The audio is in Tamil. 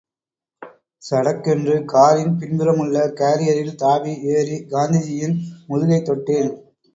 சடக்கென்று காரின் பின்புறமுள்ள காரியரில் தாவி ஏறி காந்திஜியின் முதுகைத் தொட்டேன்.